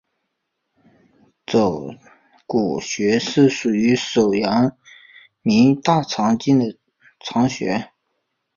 肘髎穴是属于手阳明大肠经的腧穴。